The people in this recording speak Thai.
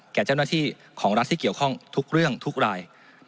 แก่เจ้าหน้าที่ของรัฐที่เกี่ยวข้องทุกเรื่องทุกราย